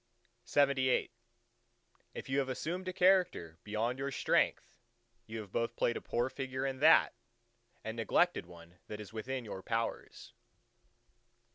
LXXIX If you have assumed a character beyond your strength, you have both played a poor figure in that, and neglected one that is within your powers.